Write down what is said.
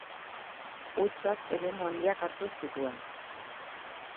Hutsak eremu handiak hartu zituen.